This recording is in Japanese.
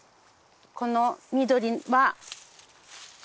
この緑は。